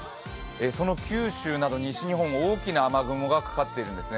その九州など西日本大きな雨雲がかかっているんですね。